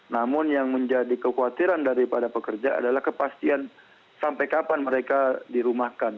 namun yang menjadi kekhawatiran daripada pekerja adalah kepastian sampai kapan mereka dirumahkan